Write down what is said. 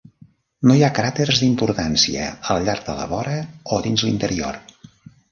No hi ha cràters d'importància al llarg de la vora o dins l'interior.